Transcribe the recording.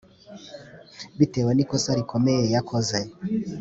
bitewe n’ikosa rikomeye yakoze.